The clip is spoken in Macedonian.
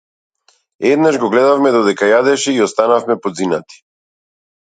Еднаш го гледавме додека јадеше и останавме подзинати.